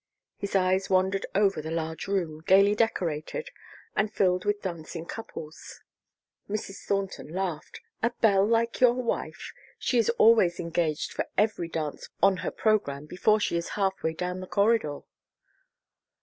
His eyes wandered over the large room, gayly decorated, and filled with dancing couples. Mrs. Thornton laughed. "A belle like your wife? She is always engaged for every dance on her program before she is halfway down this corridor."